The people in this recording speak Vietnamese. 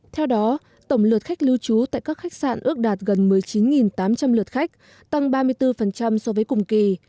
theo đó tổng lượt khách lưu trú tại các khách sạn ước đạt gần một mươi chín tám trăm linh lượt khách tăng ba mươi bốn so với cùng kỳ